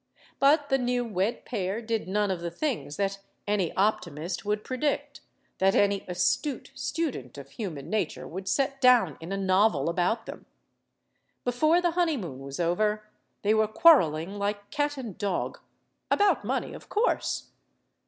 But the new wed pair did none of the things that any optimist would predict, that any astute student of human nature would set down in a novel about them. Before the honeymoon was over, they were quarreling like cat and dog. About money, of course.